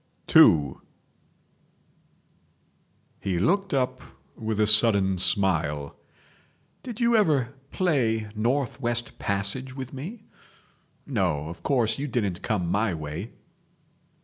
II He looked up with a sudden smile. "Did you ever play North West Passage with me? ..... No, of course you didn't come my way!"